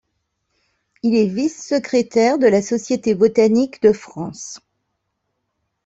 Il est vice-secrétaire de la Société botanique de France.